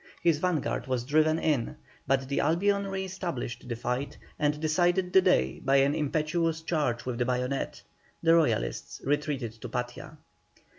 His vanguard was driven in, but the Albion re established the fight, and decided the day by an impetuous charge with the bayonet; the Royalists retreated to Patia.